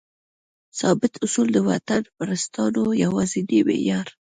ثابت اصول؛ د وطنپرستانو یوازینی معیار